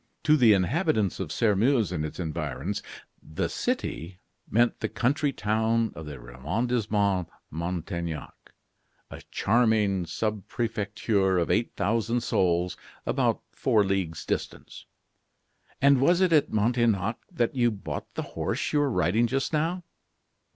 To the inhabitants of Sairmeuse and its environs, "the city" meant the country town of the arrondissement, Montaignac, a charming sub prefecture of eight thousand souls, about four leagues distant. "And was it at Montaignac that you bought the horse you were riding just now?"